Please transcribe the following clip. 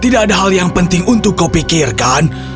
tidak ada hal yang penting untuk kau pikirkan